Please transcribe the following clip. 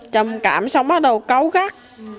trầm cảm xong bắt đầu cấu gắt